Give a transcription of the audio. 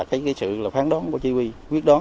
cái sự phán đón của chỉ huy quyết đón